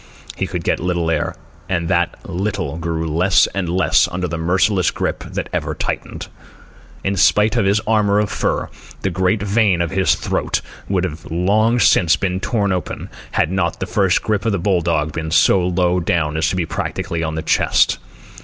He could get little air, and that little grew less and less under the merciless grip that ever tightened. In spite of his armour of fur, the great vein of his throat would have long since been torn open, had not the first grip of the bull dog been so low down as to be practically on the chest.